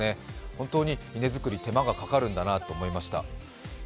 本当に稲作り、手間がかかるんだなと思いました。